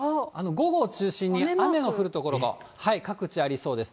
午後を中心に雨の降る所が各地ありそうです。